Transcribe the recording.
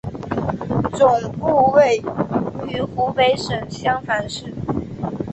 总部位于湖北省襄樊市。